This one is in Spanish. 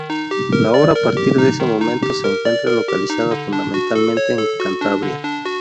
La obra a partir de este momento se encuentra localizada fundamentalmente en Cantabria.